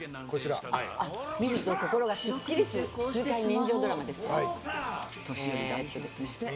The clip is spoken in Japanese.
見る人の心がすっきりする爽快人気ドラマです。